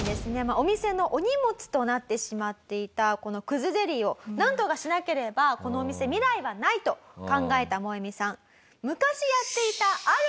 お店のお荷物となってしまっていたこの葛ゼリーをなんとかしなければこのお店未来はないと考えたモエミさん。